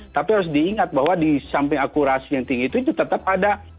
tapi harus diingat bahwa di samping akurasi yang tinggi itu itu tetap ada